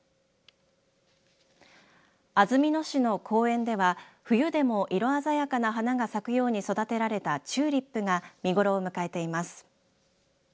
安曇野市の公園では冬でも色鮮やかな花が咲くように育てられたチューリップが見頃を迎えています。